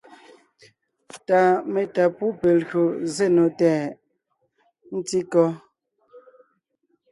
Ta metá pú pe lyò zsé nò tɛʼ ? ntí kɔ́?